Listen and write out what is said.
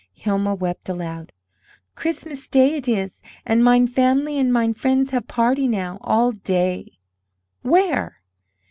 Hilma wept aloud. "Christmas Day it is, and mine family and mine friends have party, now, all day." "Where?"